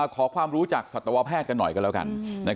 ขอความรู้จากสัตวแพทย์กันหน่อยกันแล้วกัน